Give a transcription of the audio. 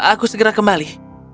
aku segera kembali